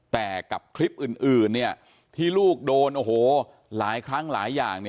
แต่กับคลิปอื่นที่ลูกโดนหลายครั้งหลายอย่าง